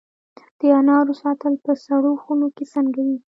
د انارو ساتل په سړو خونو کې څنګه دي؟